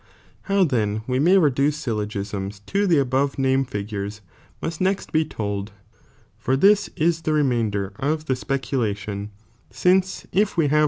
How then we may reduce syllogisms to the above ,_ MMhmi o nimed figures must next be told, for this is the nducing m remainder of the sjieculatton, since if we have Dne°['th!!